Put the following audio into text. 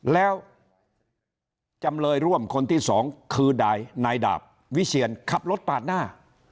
แล้วจำเลยร่วมคนที่สองคือนายดาบวิเชียนขับรถปาดหน้า